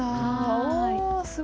おおすごい！